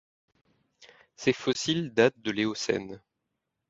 Ces fossiles datent de l'Éocène.